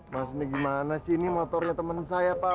mas ini gimana sih ini motornya teman saya pak